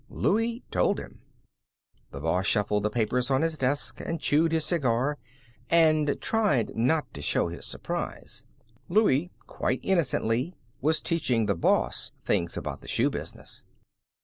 Louie told him. The boss shuffled the papers on his desk, and chewed his cigar, and tried not to show his surprise. Louie, quite innocently, was teaching the boss things about the shoe business.